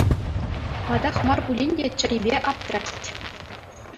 Ватах мар пулин те, чӗрипе аптрать.